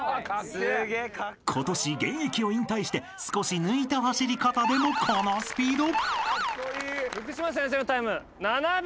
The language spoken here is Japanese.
［今年現役を引退して少し抜いた走り方でもこのスピード］